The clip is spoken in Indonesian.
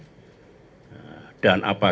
dan apa yang akan diperlukan